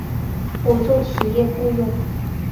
补助企业雇用